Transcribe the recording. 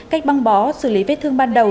cách băng bó xử lý vết thương ban đầu